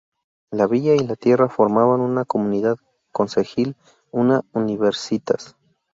La villa y la tierra formaban una comunidad concejil, una universitas.